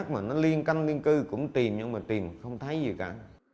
mà nó liên canh liên cư cũng tìm nhưng mà tìm không thấy gì cả